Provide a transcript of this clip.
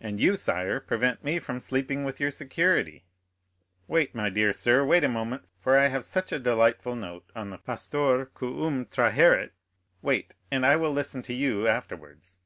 "And you, sire, prevent me from sleeping with your security." "Wait, my dear sir, wait a moment; for I have such a delightful note on the Pastor quum traheret—wait, and I will listen to you afterwards."